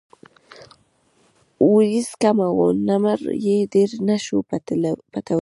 وريځ کمه وه نو نمر يې ډېر نۀ شو پټولے ـ